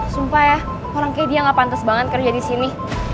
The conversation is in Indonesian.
sumpah ya orang kayak dia gak pantes banget kerja disini